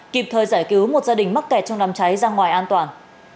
kịp thời giải cứu một gia đình mắc kẹt trong đám cháy ra ngoài an toàn